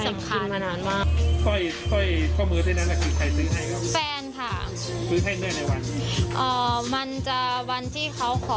ใช่คืนมานานมาก